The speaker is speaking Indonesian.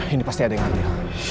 ini pasti ada yang aneh